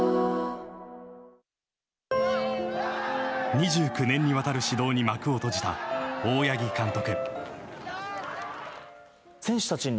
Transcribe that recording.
２９年にわたる指導に幕を閉じた大八木監督。